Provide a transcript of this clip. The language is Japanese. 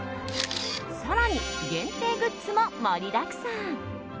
更に限定グッズも盛りだくさん。